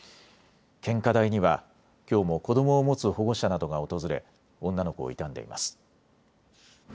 献花台にはきょうも子どもを持つ保護者などが訪れ女の子を悼んでいます。